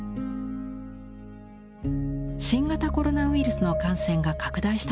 新型コロナウイルスの感染が拡大した頃の作品。